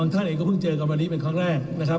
คุณผู้ชมครับ